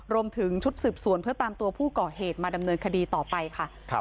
รวมถึงชุดสืบสวนเพื่อตามตัวผู้ก่อเหตุมาดำเนินคดีต่อไปค่ะ